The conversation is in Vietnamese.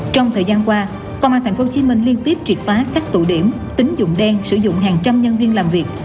trong thời gian qua công an phạm phong chí minh liên tiếp triệt phá các tụ điểm tính dụng đen sử dụng hàng trăm nhân viên làm việc